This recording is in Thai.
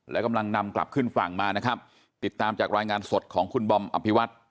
และกำลังนำกลับขึ้นฝั่งมานะครับติดตามจากรายงานสดของคุณบอมอภิวัตร